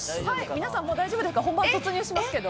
皆さん、大丈夫ですか本番突入しますけど。